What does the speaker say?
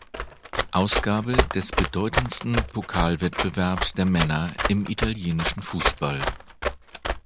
Ausgabe des bedeutendsten Pokalwettbewerbs der Männer im italienischen Fußball.